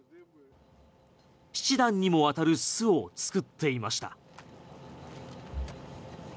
７段にもわたる巣を作っていました。